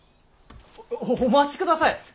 おお待ちください。